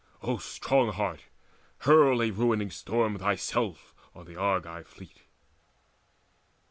O strong heart, hurl A ruining storm thyself on the Argive fleet."